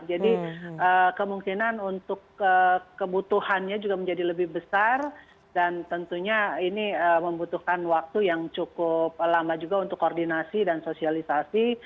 jadi kemungkinan untuk kebutuhannya juga menjadi lebih besar dan tentunya ini membutuhkan waktu yang cukup lama juga untuk koordinasi dan sosialisasi